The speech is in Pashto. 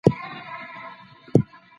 د ستونزو منل د سکون سبب کېږي.